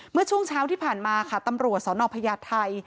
เมื่อช่วงเช้าที่ผ่านมาค่ะตำรวจสนพญาไทย